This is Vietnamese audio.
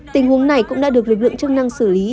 tình huống này cũng đã được lực lượng chức năng xử lý